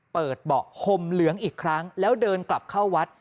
เบาะห่มเหลืองอีกครั้งแล้วเดินกลับเข้าวัด